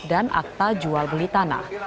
dan akta jual beli tanah